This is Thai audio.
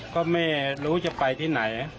ก็ไม่รู้จะไปที่ไหน